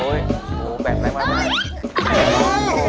โอ้โฮแบทไม่มาก